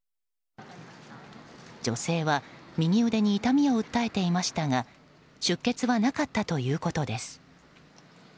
女性は右腕に痛みを訴えていましたが出血はなかったということです。